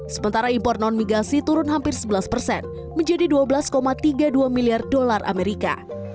sementara impor non migasi turun hampir sebelas persen menjadi dua belas tiga puluh dua miliar dolar amerika